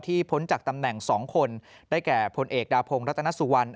ที่พ้นจากตำแหน่ง๒คนได้แก่พเดาพงรัฐนสุวรรณ